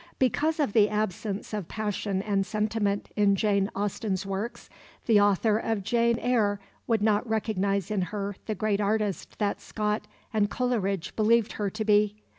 Because of the absence of passion and sentiment in Jane Austen's works, the author of Jane Eyre would not recognize in her the great artist that Scott and Coleridge believed her to be.